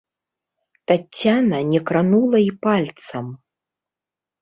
Таццяна не кранула і пальцам.